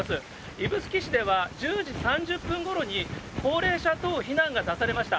指宿市では１０時３０分ごろに、高齢者等避難が出されました。